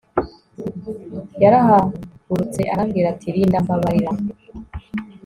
yarahagurutse arambwira ati Linda mbabarira